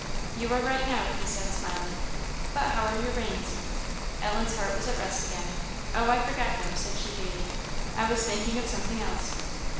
"You are right now," he said, smiling. "But how are your reins?" Ellen's heart was at rest again. "Oh, I forgot them," said she, gaily: "I was thinking of something else."